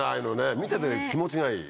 見てて気持ちがいい。